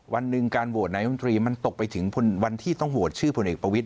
วันหนึ่งการโหวตนายมนตรีมันตกไปถึงวันที่ต้องโหวตชื่อผลเอกประวิทย